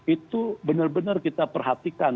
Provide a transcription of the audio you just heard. itu benar benar kita perhatikan